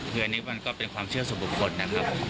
คืออันนี้มันก็เป็นความเชื่อสู่บุคคลนะครับผม